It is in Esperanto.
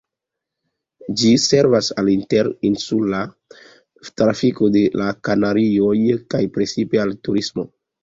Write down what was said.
Ĝi servas al la inter-insula trafiko de la Kanarioj kaj precipe al turismo.